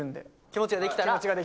気持ちができたら。